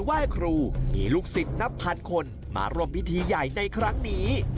ไหว้ครูมีลูกศิษย์นับพันคนมาร่วมพิธีใหญ่ในครั้งนี้